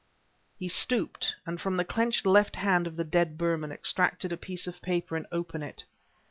He stooped, and from the clenched left hand of the dead Burman, extracted a piece of paper and opened it.